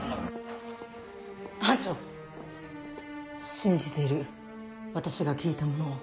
信じている私が聞いたものを。